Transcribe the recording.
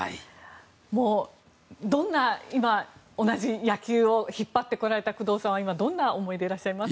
もうどんな今同じ野球を引っ張ってこられた工藤さんは今どんな思いでいらっしゃいます？